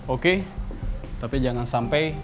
oke tapi jangan sampai